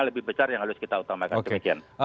lebih besar yang harus kita utamakan demikian